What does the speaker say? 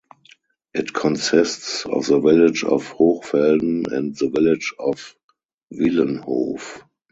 It consists of the village of Hochfelden and the village of Wilenhof.